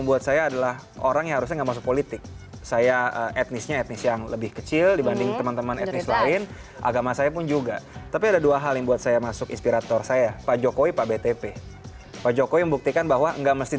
berita terkini dari kpum